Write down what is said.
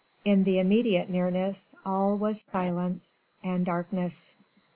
In the immediate nearness all was silence and darkness.